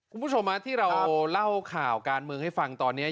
คุณผู้ชมที่เราเล่าข่าวการเมืองให้ฟังตอนนี้